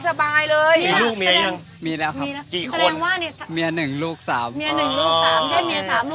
สิบห้าปีเลี้ยงลูกเลี้ยงเมียได้สบายเลย